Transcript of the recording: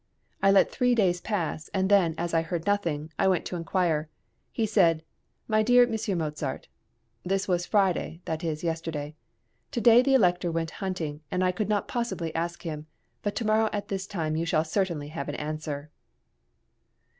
I let three days pass, and then, as I heard nothing, I went to inquire. He said, "My dear Mons. Mozart [this was Friday, that is, yesterday], to day the Elector went hunting, and I could not possibly ask him; but to morrow at this time you shall certainly have an answer."